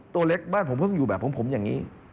ตัวเล็กบ้านผมเพิ่งอยู่แบบของผมอย่างนี้